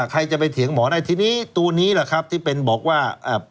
ใครจะไปเถียงหมอได้ทีนี้ตัวนี้แหละครับที่เป็นบอกว่า